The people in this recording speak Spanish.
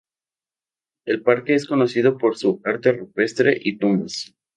El parque es conocido por su arte rupestre y tumbas.